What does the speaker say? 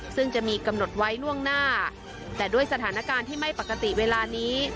ซึ่งจะมีกำหนดไว้ล่วงหน้าแต่ด้วยสถานการณ์ที่ไม่ปกติเวลานี้